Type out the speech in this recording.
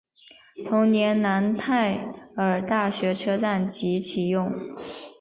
同年楠泰尔大学车站亦启用。